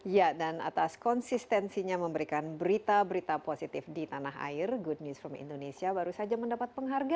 ya dan atas konsistensinya memberikan berita berita positif di tanah air good newsroom indonesia baru saja mendapat penghargaan